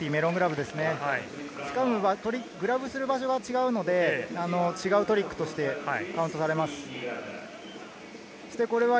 グラブする場所が違うので、違うトリックとしてカウントされます。